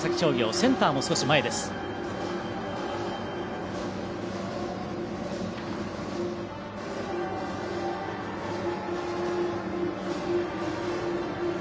センターも少し前です。